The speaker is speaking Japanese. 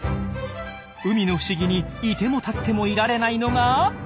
海の不思議に居ても立っても居られないのが。